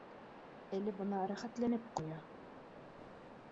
Әле бына рәхәтләнеп ҡоя